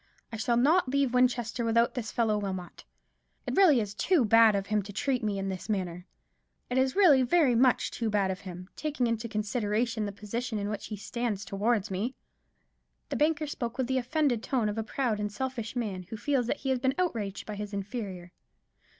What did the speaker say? "I shall not leave Winchester without this fellow Wilmot. It is really too bad of him to treat me in this manner. It is really very much too bad of him, taking into consideration the position in which he stands towards me." The banker spoke with the offended tone of a proud and selfish man, who feels that he has been outraged by his inferior.